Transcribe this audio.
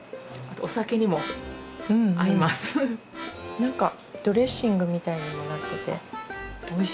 何かドレッシングみたいにもなってておいしい。